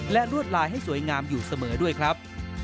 และลวดลายให้สวยงามอยู่เสมอด้วยครับ